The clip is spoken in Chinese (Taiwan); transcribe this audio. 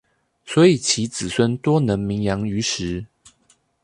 所以其子孫多能名揚於時